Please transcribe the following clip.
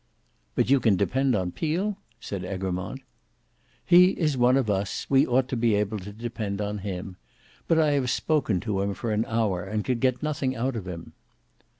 "But you can depend on Peel?" said Egremont. "He is one of us: we ought to be able to depend on him. But I have spoken to him for an hour, and could get nothing out of him."